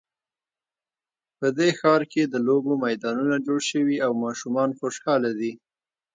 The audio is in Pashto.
په دې ښار کې د لوبو میدانونه جوړ شوي او ماشومان خوشحاله دي